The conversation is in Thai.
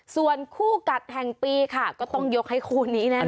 ส่วนคู่กัดแห่งปีค่ะก็ต้องยกให้คู่นี้แน่